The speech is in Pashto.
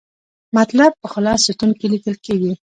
مطلب په خلص ستون کې لیکل کیږي.